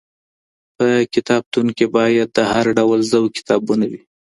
په کتابتون کي بايد د هر ډول ذوق کتابونه وي.